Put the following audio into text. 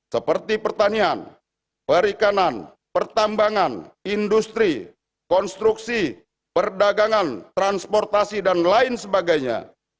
seperti pertanian perikanan pertambangan industri konstruksi perdagangan transportasi dan lain sebagainya